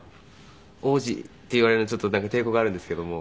王子って言われるとちょっとなんか抵抗があるんですけども。